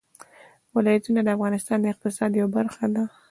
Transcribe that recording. ولایتونه د افغانستان د اقتصاد یوه برخه ده.